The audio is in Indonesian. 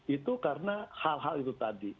itu karena hal hal itu tadi